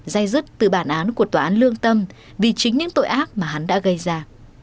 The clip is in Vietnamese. dây dứt từ bản án của tòa án lương tâm vì chính những tội ác mà hắn đã gây ra